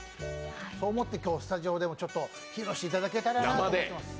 そう思って今日、スタジオでも披露していただいたらなと思います。